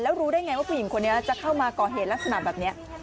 แล้วรู้ได้ไงว่าผู้หญิงคนนี้จะเข้ามาก่อเหตุลักษณะแบบนี้